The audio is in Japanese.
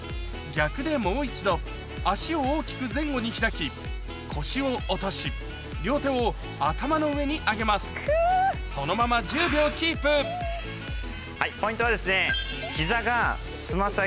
逆でもう一度足を大きく前後に開き腰を落とし両手を頭の上に上げますそのまま１０秒キープポイントは。